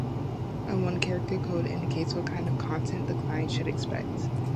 A one-character code indicates what kind of content the client should expect.